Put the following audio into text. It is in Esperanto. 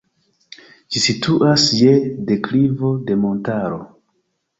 Ĝi situas je deklivo de montaro.